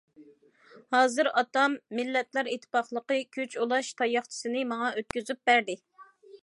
ھازىر ئاتام‹‹ مىللەتلەر ئىتتىپاقلىقى›› كۈچ ئۇلاش تاياقچىسىنى ماڭا ئۆتكۈزۈپ بەردى.